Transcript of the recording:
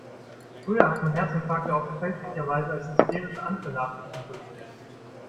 Früher hat man Herzinfarkte oft fälschlicherweise als hysterische Anfälle abgestempelt.